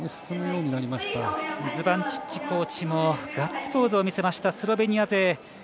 ズバンチッチコーチもガッツポーズを見せたスロベニア勢。